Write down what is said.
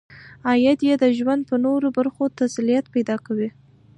عاید یې د ژوند په نورو برخو تسلط پیدا کوي.